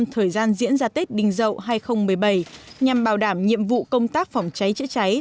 thời gian diễn ra tết đình dậu hai nghìn một mươi bảy nhằm bảo đảm nhiệm vụ công tác phòng cháy chữa cháy